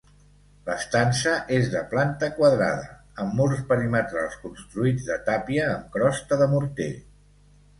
L'estança és de planta quadrada, amb murs perimetrals construïts de tàpia amb crosta de morter.